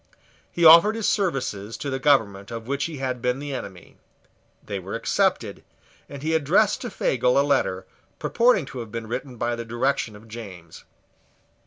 He offered his services to the government of which he had been the enemy: they were accepted; and he addressed to Fagel a letter, purporting to have been written by the direction of James.